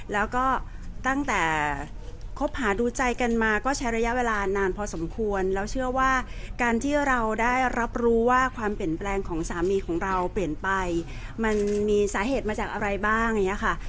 แล้วก็ตั้งแต่คบหาดูใจกันมาก็ใช้ระยะเวลานานพอสมควรแล้วเชื่อว่าการที่เราได้รับรู้ว่าความเปลี่ยนแปลงของสามีของเราเปลี่ยนไปมันมีสาเหตุมาจากอะไรบ้างอย่างนี้ค่ะ